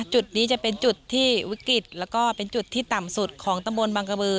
จุดนี้จะเป็นจุดที่วิกฤตแล้วก็เป็นจุดที่ต่ำสุดของตำบลบังกระบือ